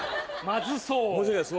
まずそう。